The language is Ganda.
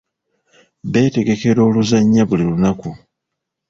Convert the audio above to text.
Beetegekera oluzannya buli lunaku.